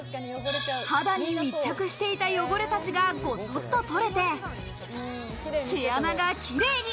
肌に密着していた汚れたちがごそっと取れて毛穴がキレイに。